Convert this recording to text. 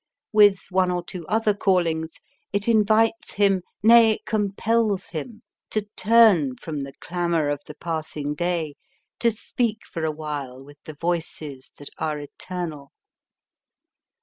With one or two other callings, it in vites him nay, compels him to turn from the clamour of the passing day to speak for a while with the voices that are eternal.